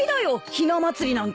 ひな祭りなんか。